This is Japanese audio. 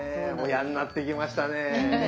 親になってきましたね。ね。